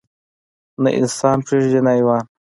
نه انسان پرېږدي نه حيوان.